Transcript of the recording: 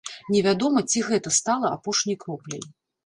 Невядома, ці гэта стала апошняй кропляй.